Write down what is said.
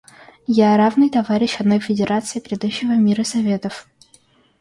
Я — равный товарищ одной Федерации грядущего мира Советов.